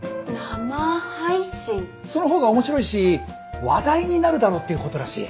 そのほうが面白いし話題になるだろうっていうことらしい。